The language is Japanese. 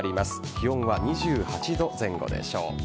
気温は２８度前後でしょう。